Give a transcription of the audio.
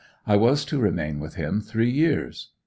I was to remain with him three years.